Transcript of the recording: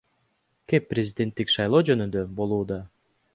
Кеп президенттик шайлоо жөнүндө болууда.